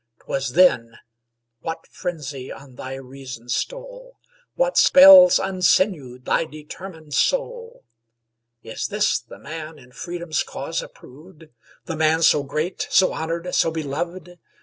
'Twas then What frenzy on thy reason stole? What spells unsinewed thy determined soul? Is this the man in Freedom's cause approved? The man so great, so honored, so beloved?